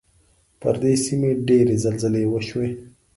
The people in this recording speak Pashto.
پر دې سیمې ډېرې زلزلې وشوې.